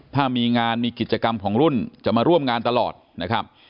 ถ้ามีงานมีกิจกรรมของรุ่นจะมาร่วมงานตลอดนะครับ